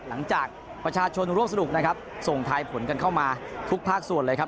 หลังจากประชาชนร่วมสนุกนะครับส่งทายผลกันเข้ามาทุกภาคส่วนเลยครับ